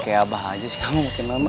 kayak abah aja sih kamu makin lama